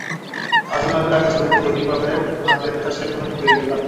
আহসান হাবীবের আঁকা ছবিতে বইটিও পাবে হাতের কাছের কোনো বইয়ের দোকানে।